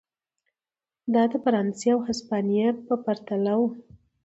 دا د فرانسې او هسپانیې په پرتله و.